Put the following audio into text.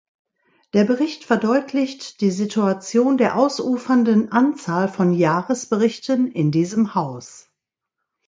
Der Bericht verdeutlicht die Situation der ausufernden Anzahl von Jahresberichten in diesem Haus.